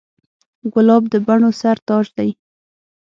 ګلاب د بڼو سر تاج دی.